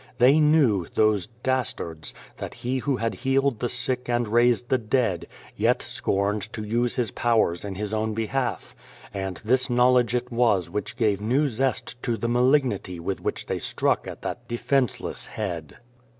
They knew, those dastards, that He who had healed the sick and raised the dead, yet scorned to use His powers in His own behalf; and this knowledge it was which gave new zest to the malignity with which they struck at that defenceless head.